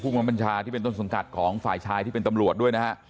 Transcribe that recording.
บัญชาที่เป็นต้นสังกัดของฝ่ายชายที่เป็นตำรวจด้วยนะฮะ